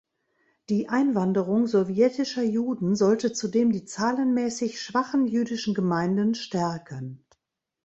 Die Einwanderung sowjetischer Juden sollte zudem die zahlenmäßig schwachen jüdischen Gemeinden stärken.